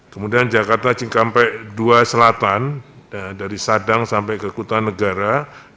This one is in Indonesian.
kemudian jakarta cingkampai dua selatan dari sadang sampai ke kutanegara